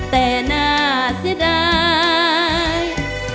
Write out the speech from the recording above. แต่น่าเสียดาย